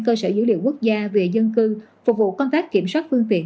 cơ sở dữ liệu quốc gia về dân cư phục vụ công tác kiểm soát phương tiện